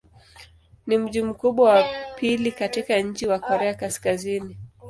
Ni mji mkubwa wa pili katika nchi wa Korea Kaskazini.